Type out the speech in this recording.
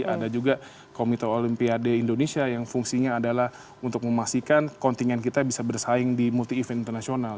ada juga komite olimpiade indonesia yang fungsinya adalah untuk memastikan kontingen kita bisa bersaing di multi event internasional